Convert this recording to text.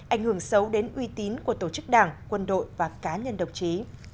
ảnh hưởng xấu đến uy tín của tổ chức đảng quân đội và cá nhân độc trí